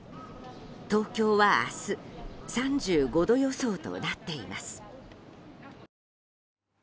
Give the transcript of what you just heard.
東京は明日３５度予想となっています。